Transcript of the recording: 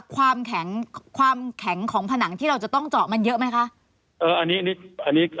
ความแข็งความแข็งของผนังที่เราจะต้องเจาะมันเยอะไหมคะ